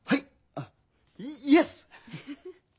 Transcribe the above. あっイエス！